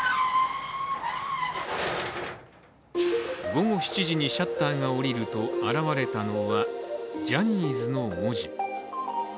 午後７時にシャッターが下りると現れたのは「ジャニーズ」の文字。